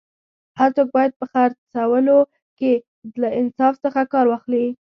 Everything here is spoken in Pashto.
هر څوک باید په خرڅولو کي له انصاف څخه کار واخلي